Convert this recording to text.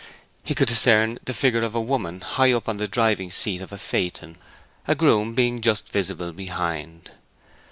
He could discern the figure of a woman high up on the driving seat of a phaeton, a groom being just visible behind.